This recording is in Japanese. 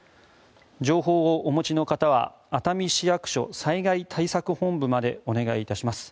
情報をお持ちの方は熱海市役所災害対策本部までお願いいたします。